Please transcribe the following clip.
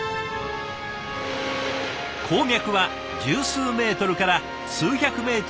鉱脈は十数メートルから数百メートルに及ぶものまで。